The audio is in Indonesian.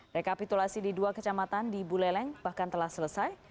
rekapitulasi di dua kecamatan di buleleng bahkan telah selesai